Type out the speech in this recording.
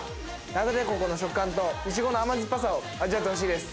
ナタデココの食感とイチゴの甘酸っぱさを味わってほしいです。